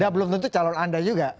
ya belum tentu calon anda juga